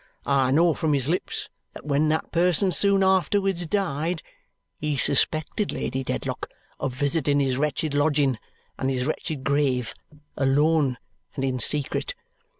I know from his lips that when that person soon afterwards died, he suspected Lady Dedlock of visiting his wretched lodging and his wretched grave, alone and in secret.